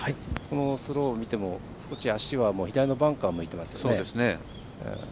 スローを見ても足は左のバンカーを向いてますよね。